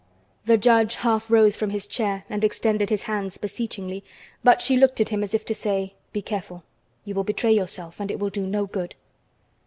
The judge half rose from his chair and extended his hands beseechingly, but she looked at him as if to say: "Be careful! You will betray yourself, and it will do no good."